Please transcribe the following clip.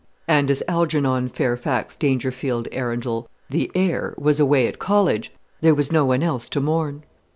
And as Algernon Fairfax Dangerfield Arundel, the heir, was away at college, there was no one else to mourn.